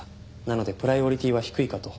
なのでプライオリティは低いかと。